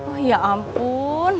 oh ya ampun